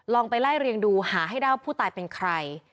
ไปไล่เรียงดูหาให้ได้ว่าผู้ตายเป็นใคร